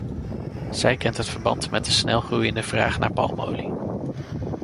Zij kent het verband met de snelgroeiende vraag naar palmolie.